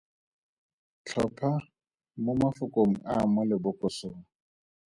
Tlhopha mo mafokong a a mo lebokosong.